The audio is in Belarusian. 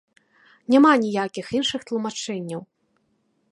Няма ніякіх іншых тлумачэнняў.